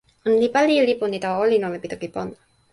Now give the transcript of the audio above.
ona li pali e lipu ni tawa olin ona pi toki pona.